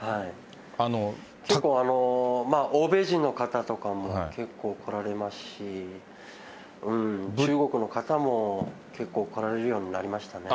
結構欧米人の方とかも結構来られますし、中国の方も結構、来られるようになりましたね。